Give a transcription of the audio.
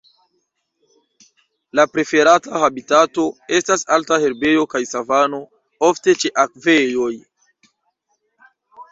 La preferata habitato estas alta herbejo kaj savano, ofte ĉe akvejoj.